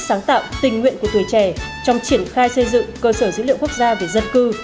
sáng tạo tình nguyện của tuổi trẻ trong triển khai xây dựng cơ sở dữ liệu quốc gia về dân cư